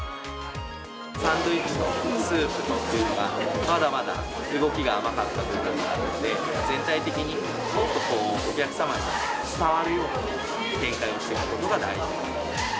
サンドイッチとスープとっていうのが、まだまだ動きが甘かった部分があるので、全体的にもっとこう、お客様に伝わるように展開をしていくのが大事だと思います。